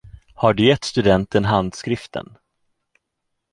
Har du gett studenten handskriften?